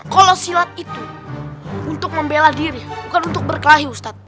kalau silat itu untuk membela diri bukan untuk berkelahi ustadz